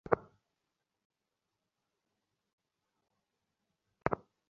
তিনি প্রশংসিত হয়েছেন।